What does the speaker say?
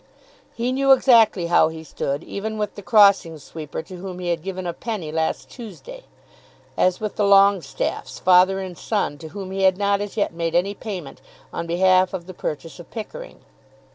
He knew exactly how he stood, even with the crossing sweeper to whom he had given a penny last Tuesday, as with the Longestaffes, father and son, to whom he had not as yet made any payment on behalf of the purchase of Pickering.